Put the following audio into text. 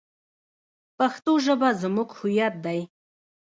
پښتو ژبه زموږ هویت دی.